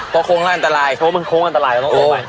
เขาคงอันตรายเขาก็คงอันตรายเขาต้องออกไป